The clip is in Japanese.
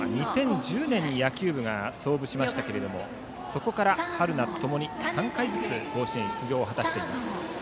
２０１０年に野球部が創部しましたがそこから春夏ともに３回ずつ甲子園出場を果たしています。